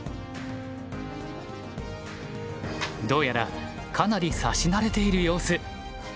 どうやらかなり指し慣れている様子。